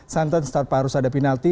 santan tanpa harus ada penalti